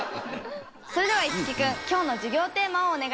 それでは樹君今日の授業テーマをお願いします。